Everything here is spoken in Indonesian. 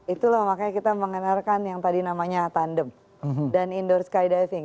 itulah makanya kita mengenalkan yang tadi namanya tandem dan indoor skydiving